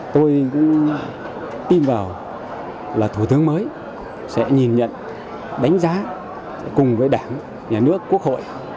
tôi cũng tin vào là thủ tướng mới sẽ nhìn nhận đánh giá cùng với đảng nhà nước quốc hội